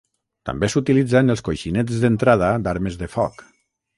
També s'utilitza en els coixinets d'entrada d'armes de foc.